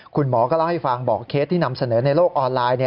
คุณหมอก็เล่าให้ฟังบอกเคสที่นำเสนอในโลกออนไลน์